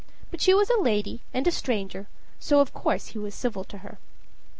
But she was a lady and a stranger, so of course he was civil to her.